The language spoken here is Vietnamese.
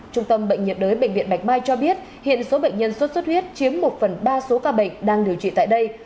trung tâm bệnh nhiệt đới bệnh viện bạch mai cho biết hiện số bệnh nhân sốt xuất huyết chiếm một phần ba số ca bệnh đang điều trị tại đây